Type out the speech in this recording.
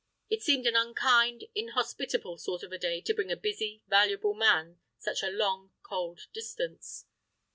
It seemed an unkind, inhospitable sort of a day to bring a busy, valuable man such a long, cold distance.